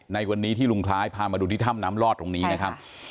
ในวันนี้ที่ลุงคล้ายพามาดูที่ถ้ำน้ำลอดตรงนี้นะครับ